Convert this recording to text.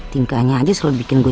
tingkahnya aja selalu bikin gugu